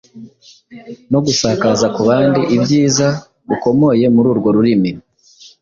no gusakaza ku bandi ibyiza ukomoye muri urwo rurimi.